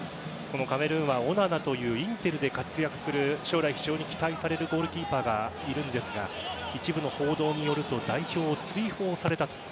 カメルーンはオナナというインテルで活躍する将来非常に期待されるゴールキーパーがいるんですが一部の報道によると代表を追放されたと。